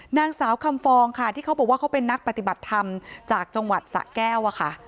นางสาวคำฟองค่ะที่เขาบอกว่าเขาเป็นนักปฏิบัติธรรมจากจังหวัดสะแก้วอะค่ะ